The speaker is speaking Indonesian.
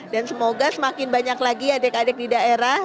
dan semoga semakin banyak lagi adik adik di daerah